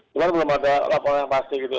cuma belum ada laporan yang pasti gitu